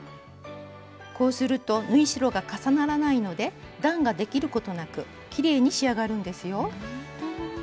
こうすると縫い代が重ならないので段ができることなくきれいに仕上がるんですよ。